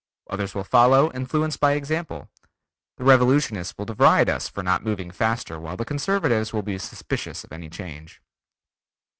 Others will follow, influenced by example. The revolutionists will deride us for not moving faster while the conservatives will be suspicious of any change."